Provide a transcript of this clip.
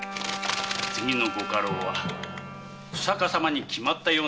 次のご家老は日下様に決まったようなもの。